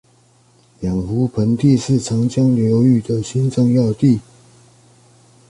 兩湖盆地是長江流域的心臟要地